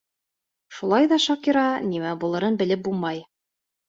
— Шулай ҙа, Шакира, нимә булырын белеп булмай.